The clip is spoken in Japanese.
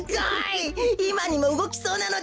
いまにもうごきそうなのだ。